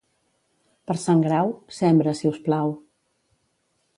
Per Sant Grau, sembra si us plau.